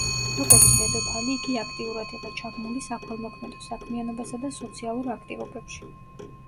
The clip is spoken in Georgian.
როგორც დედოფალი იგი აქტიურად იყო ჩაბმული საქველმოქმედო საქმიანობასა და სოციალურ აქტივობებში.